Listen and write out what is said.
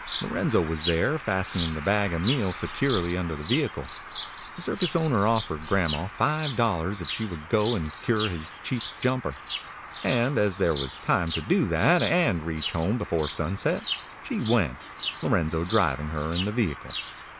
Lorenzo was there, fastening the bag of meal securely under the vehicle. The circus owner offered grandma five dollars if she would go and cure his Chief Jumper, and as there was time to do that and reach home before sunset, she went, Lorenzo driving her in the vehicle.